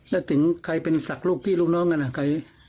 แล้วถึงใครเป็นศักดิ์ลูกพี่ลูกน้องกันใคร